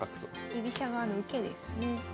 居飛車側の受けですね。